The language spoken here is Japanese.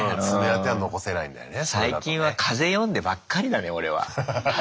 最近は風読んでばっかりだね俺は。